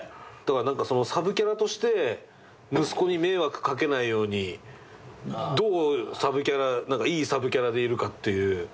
だからサブキャラとして息子に迷惑かけないようにどういいサブキャラでいるかっていう。